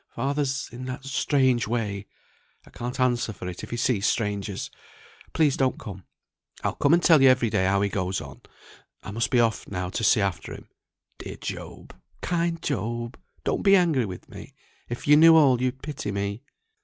Father's in that strange way, I can't answer for it if he sees strangers. Please don't come. I'll come and tell you every day how he goes on. I must be off now to see after him. Dear Job! kind Job! don't be angry with me. If you knew all you'd pity me."